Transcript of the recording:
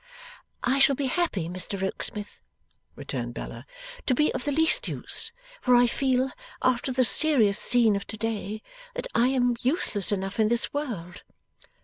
'I shall be happy, Mr Rokesmith,' returned Bella, 'to be of the least use; for I feel, after the serious scene of to day, that I am useless enough in this world.